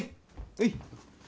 はい